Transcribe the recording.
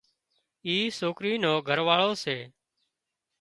اي سوڪرِي نو گھر واۯو سي